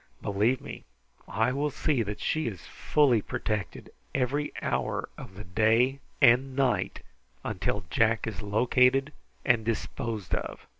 Believe me, I will see that she is fully protected every hour of the day and night until Jack is located and disposed of.